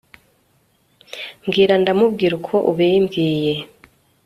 Mbwira Ndamubwira uko ubimbwiye